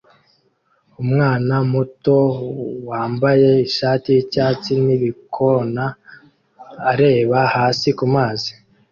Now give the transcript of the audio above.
Umwana muto wambaye ishati yicyatsi nibikona areba hasi kumazi